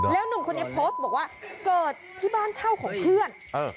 หนุ่มคนนี้โพสต์บอกว่าเกิดที่บ้านเช่าของเพื่อน